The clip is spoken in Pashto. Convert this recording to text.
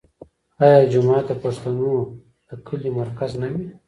آیا جومات د پښتنو د کلي مرکز نه وي؟